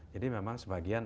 jadi memang sebagian